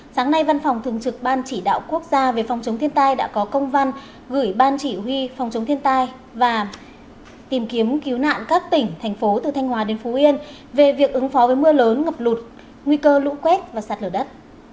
sáng nay văn phòng thường trực ban chỉ đạo quốc gia về phòng chống thiên tai đã có công văn gửi ban chỉ huy phòng chống thiên tai và tìm kiếm cứu nạn các tỉnh thành phố từ thanh hòa đến phú yên về việc ứng phó với mưa lớn ngập lụt nguy cơ lũ quét và sạt lở đất